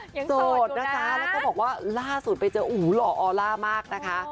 โสดนะจ๊ะแล้วก็บอกว่าล่าสุดไปเจออู๋หล่อออลล่ามากนะคะ